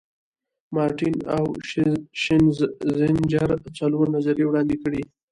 مارټین او شینزینجر څلور نظریې وړاندې کړي.